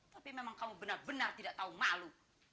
tapi memang kamu benar benar tidak tahu malu